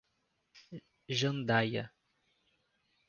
Jandaia